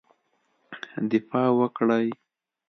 دفاع وکړی.